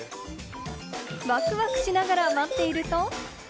ワクワクしながら待っていると。